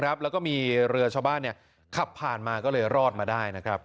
แล้วก็มีเรือชาวบ้านขับผ่านมาก็เลยรอดมาได้นะครับ